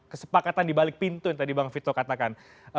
kesepakatan di balik pintu yang tadi bang vito katakan